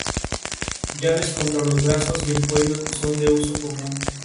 Llaves contra los brazos y el cuello son de uso común.